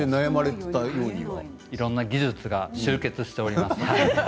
いろんな技術が集結しております。